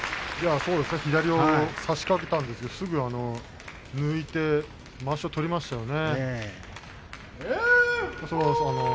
左を差しかけたんですけども右手、まわしを取りましたね